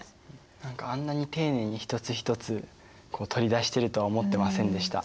何かあんなに丁寧に一つ一つ取り出してるとは思ってませんでした。